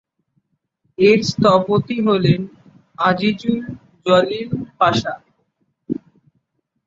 এর স্থপতি হলেন আজিজুল জলিল পাশা।